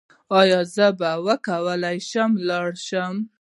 ایا زه به وکولی شم واورم؟